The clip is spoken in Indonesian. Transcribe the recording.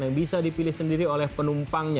yang bisa dipilih sendiri oleh penumpangnya